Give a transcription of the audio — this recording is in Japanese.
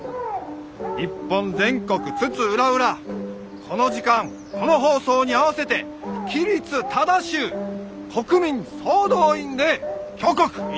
日本全国津々浦々この時間この放送に合わせて規律正しゅう国民総動員で挙国一致の精神を鍛えるんです！